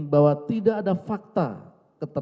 bahwa tidak ada faktor